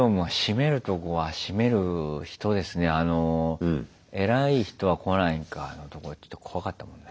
あの「偉い人は来ないんか」のところちょっと怖かったもんね。